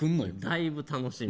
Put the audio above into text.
だいぶ楽しみ。